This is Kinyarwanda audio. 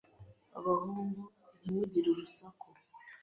Abahungu, ntimugire urusaku.